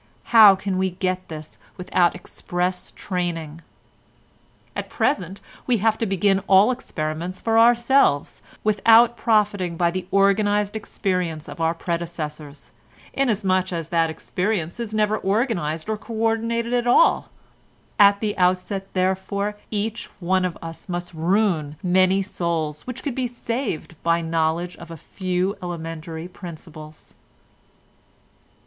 How can we get this without express training? At present we have to begin all experiments for ourselves, without profiting by the organised experience of our predecessors, inasmuch as that experience is never organised and co ordinated at all. At the outset, therefore, each one of us must ruin many souls which could be saved by knowledge of a few elementary principles."